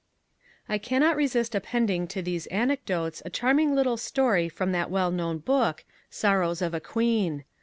I cannot resist appending to these anecdotes a charming little story from that well known book, "Sorrows of a Queen".